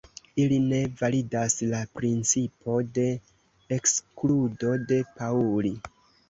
Ili ne validas la principo de ekskludo de Pauli.